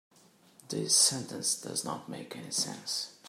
This sentence does not make any sense.